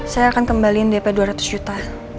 saya akan kembaliin dp dua ratus juta